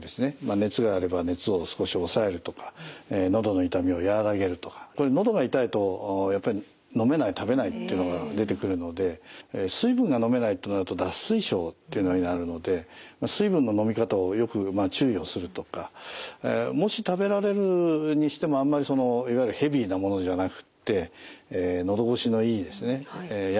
熱があれば熱を少し抑えるとかのどの痛みを和らげるとかこれのどが痛いとやっぱり飲めない食べないっていうのが出てくるので水分が飲めないとなると脱水症っていうのになるので水分の飲み方をよく注意をするとかもし食べられるにしてもあんまりいわゆるヘビーなものじゃなくってのど越しのいいですねやわらかいもの